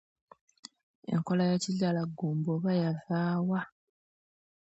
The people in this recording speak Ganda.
Enkola ya kizaalaggumba oba yava wa!